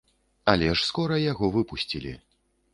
Але ж скора яго выпусцілі.